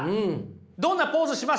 どんなポーズします？